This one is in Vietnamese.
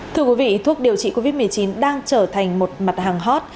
thưa quý vị thuốc điều trị covid một mươi chín đang trở thành một mặt hàng hot